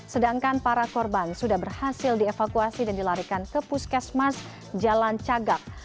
sedangkan para korban sudah berhasil dievakuasi dan dilarikan ke puskesmas jalan cagak